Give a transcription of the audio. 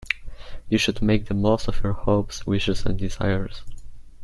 You should make the most of your hopes, wishes and desires.